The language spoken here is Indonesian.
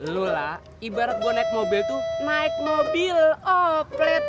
lo lah ibarat gue naik mobil tuh naik mobil oplet